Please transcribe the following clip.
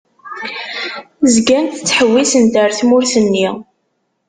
Zgant ttḥewwisent ar tmurt-nni.